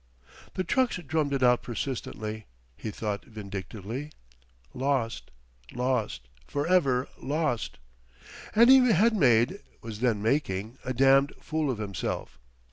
The trucks drummed it out persistently he thought, vindictively: "Lost!... Lost!... For ever lost!..." And he had made was then making a damned fool of himself.